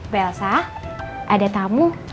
belsa ada tamu